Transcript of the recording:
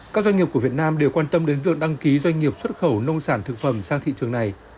các doanh nghiệp của việt nam đều quan tâm đến việc đăng ký doanh nghiệp xuất khẩu nông sản thực phẩm sang thị trường này